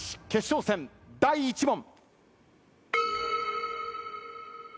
決勝戦第１問。